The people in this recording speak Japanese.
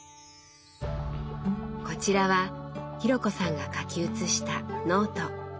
こちらは紘子さんが書き写したノート。